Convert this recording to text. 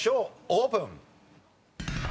オープン。